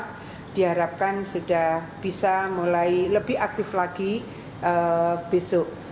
yang diharapkan sudah bisa mulai lebih aktif lagi besok